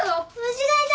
虫がいた！